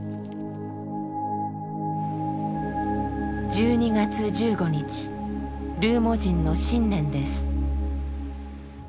１２月１５日ルーモ人の新年です。